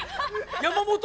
山本。